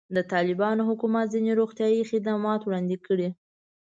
د طالبانو حکومت ځینې روغتیایي خدمات وړاندې کړي.